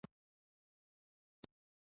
هارون د بهلول د دې کار نه خپه شو.